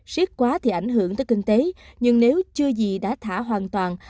siết quá thì ảnh hưởng tới kinh tế nhưng nếu chưa gì đã thả hoàn toàn